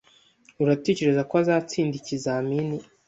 Uratekereza ko azatsinda ikizamini?